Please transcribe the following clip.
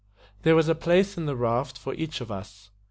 There was a place in the raft for each of us.